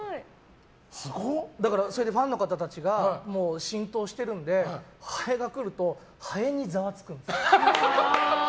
ファンの方たちが浸透してるので、ハエが来るとハエにざわつくんです。